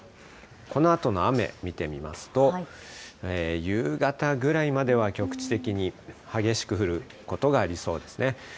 このあとの雨、見てみますと、夕方ぐらいまでは局地的に激しく降ることがありそうですね。